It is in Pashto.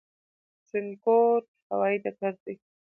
ترينکوټ هوايي ډګر دى